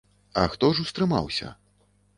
А хто ж устрымаўся?